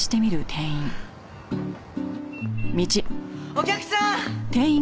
お客さん！